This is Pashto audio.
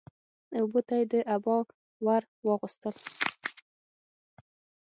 اوبو ته يې عبا ور واغوستل